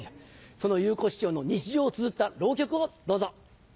その祐子師匠の日常をつづった浪曲をどうぞ。